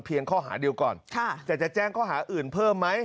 เพียงข้อหาเดียวก่อนค่ะแต่จะแจ้งข้อหาอื่นเพิ่มไหม